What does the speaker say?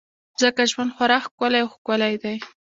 ځکه ژوند خورا ښکلی او ښکلی دی.